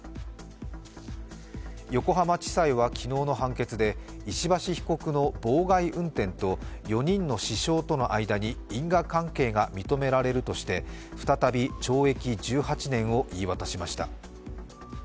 横浜地裁は昨日の判決で石橋被告の妨害運転と４人の死傷との間に因果関係が認められるとして、再び懲役１８年を言い渡しました。